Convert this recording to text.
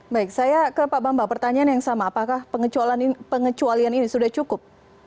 baik saya ke pak bambang pertanyaan yang sama apakah pengecualian ini sudah cukup